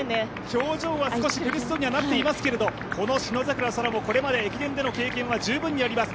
表情は少し苦しそうにはなってきていますけどこの信櫻空もこれまで駅伝の経験は十分にあります。